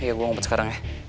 iya gue ngumpet sekarang ya